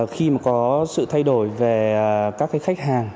khi mà có sự thay đổi về các cái khách hàng